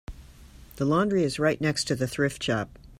The laundry is right next to the thrift shop.